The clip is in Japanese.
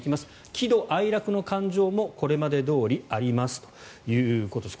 喜怒哀楽の感情もこれまでどおりありますということです。